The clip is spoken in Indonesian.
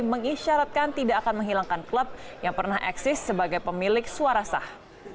mengisyaratkan tidak akan menghilangkan klub yang pernah eksis sebagai pemilik suara sah